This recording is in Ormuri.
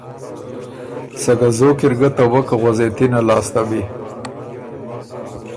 سکه زوک اِرګه ته وک غؤزېتِنه لاسته بی۔